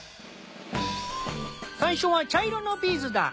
最初は茶色のビーズだ。